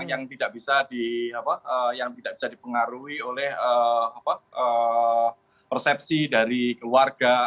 yang tidak bisa dipengaruhi oleh persepsi dari keluarga